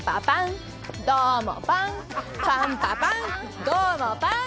パン・パ・パン、どうもパン。